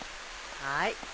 はい。